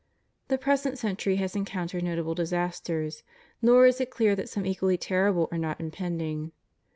The present century has encountered notable disasters, nor is it clear that some equally terrible are not impending.